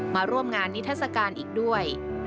มาร่วมงานนิทัศกาลอีกด้วย